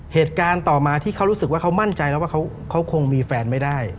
เหตุการณ์ต่อมาที่เขารู้สึกว่าเขามั่นใจแล้วว่าเขาคงมีแฟนไม่ได้